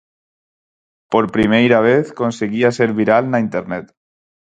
Por primeira vez conseguía ser viral na Internet.